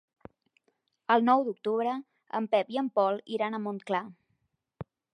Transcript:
El nou d'octubre en Pep i en Pol iran a Montclar.